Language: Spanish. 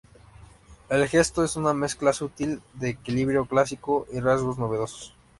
El gesto es una mezcla sutil de equilibrio clásico y rasgos novedosos.